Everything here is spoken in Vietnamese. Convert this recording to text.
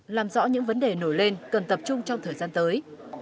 làm rõ những vấn đề nổi lên cần tập trung trong thời gian tới